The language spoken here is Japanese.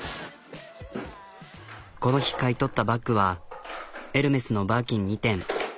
この日買い取ったバッグはエルメスのバーキン２点。